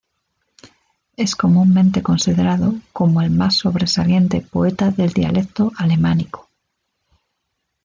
Es comúnmente considerado como el más sobresaliente poeta del dialecto alemánico.